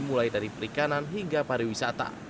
mulai dari perikanan hingga pariwisata